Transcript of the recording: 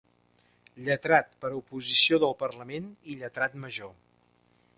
Lletrat per oposició del Parlament i Lletrat Major.